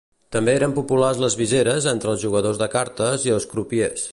També eren populars les viseres entre els jugadors de cartes i els crupiers.